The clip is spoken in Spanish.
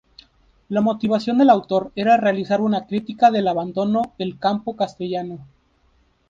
La motivación del autor era realizar una crítica del abandono del campo castellano.